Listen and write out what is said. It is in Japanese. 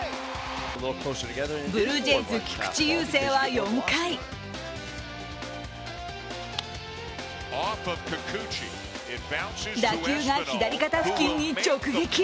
ブルージェイズ菊池雄星は４回、打球が左肩付近に直撃。